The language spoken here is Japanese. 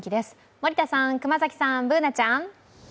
森田さん、熊崎さん、Ｂｏｏｎａちゃん。